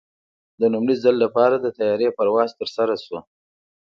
د لومړي ځل لپاره د طیارې پرواز ترسره شو.